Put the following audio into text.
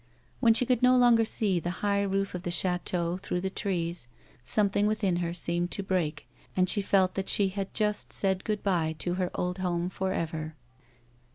When she could no longer see the high roof of the chateau through the trees, something within her seemed to break, and she felt that she had just said good bye to her old home for ever.